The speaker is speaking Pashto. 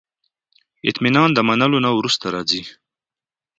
اطمینان د منلو نه وروسته راځي.